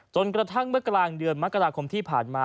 จนกระทั่งเมื่อกลางเดือนมกราคมที่ผ่านมา